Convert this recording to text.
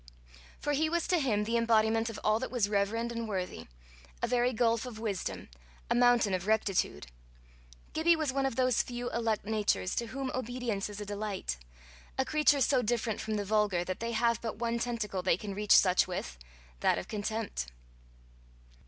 For he was to him the embodiment of all that was reverend and worthy, a very gulf of wisdom, a mountain of rectitude. Gibbie was one of those few elect natures to whom obedience is a delight a creature so different from the vulgar that they have but one tentacle they can reach such with that of contempt.